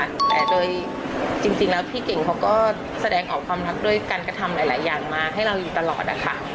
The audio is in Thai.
แต่โดยจริงแล้วพี่เก่งเขาก็แสดงออกความรักด้วยการกระทำหลายอย่างมาให้เราอยู่ตลอดนะคะ